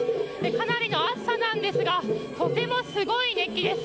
かなりの暑さなんですがとてもすごいです。